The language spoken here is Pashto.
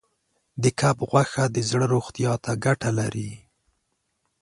د کب غوښه د زړه روغتیا ته ګټه لري.